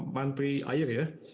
mantri air ya